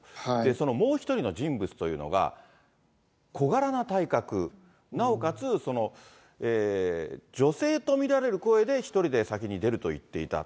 そのもう一人の人物というのが、小柄な体格、なおかつ女性と見られる声で１人で先に出ると言っていた。